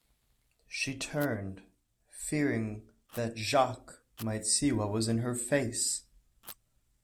She turned, fearing that Jacques might see what was in her face.